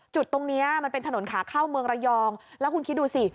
จุดตรงนี้มันเป็นถนนขาเข้าเมืองระยองแล้วคุณคิดดูสิ